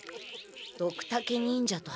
ドクタケ忍者と八方斎。